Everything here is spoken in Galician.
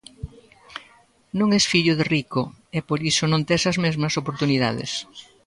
Non es fillo de rico e por iso non tes as mesmas oportunidades.